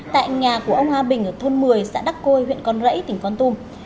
tại nhà của ông a bình ở thôn một mươi xã đắc côi huyện con rẫy tỉnh con tum